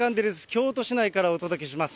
京都市内からお届けします。